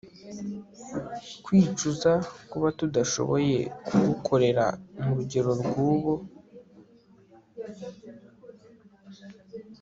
Kwicuza kuba tudashoboye kugukorera murugero rwubu